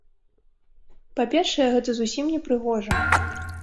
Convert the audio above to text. Па-першае, гэта зусім непрыгожа.